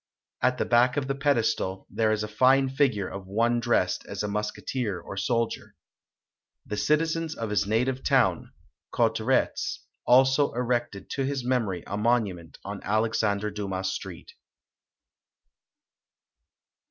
At the back of the pedestal, there is a fine figure of one dressed as a musketeer or soldier. The citizens of his native town Cotterets also erected to his memory a monument on Alex ander Dumas Street.